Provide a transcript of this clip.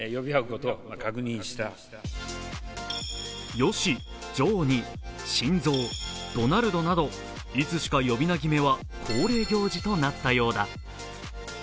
「ヨシ」「ジョー」に「シンゾー」「ドナルド」など、いつしか呼び名決めは恒例行事となったようだ。